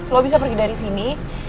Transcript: lo bisa pergi dari sini